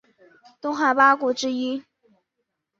东汉八顾之一。